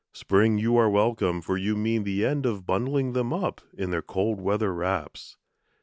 Spring, you are welcome, for you mean the end of Bundling them up in their cold weather wraps.